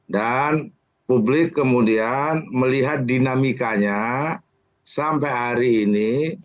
dan publik kemudian melihat dinamikanya sampai hari ini